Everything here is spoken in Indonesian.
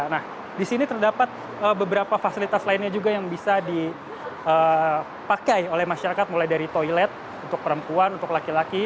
nah di sini terdapat beberapa fasilitas lainnya juga yang bisa dipakai oleh masyarakat mulai dari toilet untuk perempuan untuk laki laki